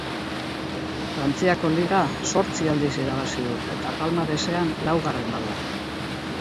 Frantziako Liga zortzi aldiz irabazi du eta palmaresean laugarrena da.